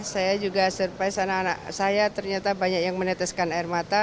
saya juga surprise anak anak saya ternyata banyak yang meneteskan air mata